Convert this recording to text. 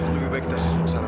lebih baik kita susun ke sana